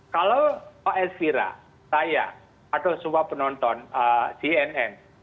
kalau pak elvira saya atau semua penonton cnn